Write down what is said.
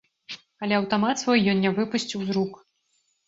Але аўтамат свой ён не выпусціў з рук.